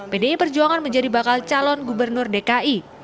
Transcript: pdi perjuangan menjadi bakal calon risma